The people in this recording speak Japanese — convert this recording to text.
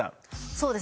そうです。